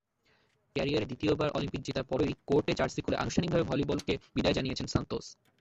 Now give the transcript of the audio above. ক্যারিয়ারে দ্বিতীয়বার অলিম্পিক জেতার পরই কোর্টে জার্সি খুলে আনুষ্ঠানিকভাবে ভলিবলকে বিদায় জানিয়েছেন সান্তোস।